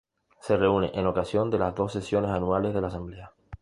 Se reúne en ocasión de las dos sesiones anuales de la Asamblea.